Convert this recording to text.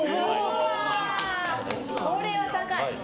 それは高い！